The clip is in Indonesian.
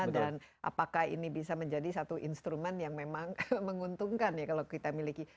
dan apakah ini bisa menjadi satu instrumen yang memang menguntungkan ya kalau kita miliki